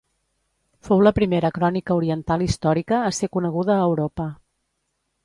Fou la primera crònica oriental històrica a ser coneguda a Europa.